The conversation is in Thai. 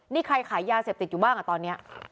นี่ใครขายยาเสพติดอยู่บ้างอ่ะตอนนี้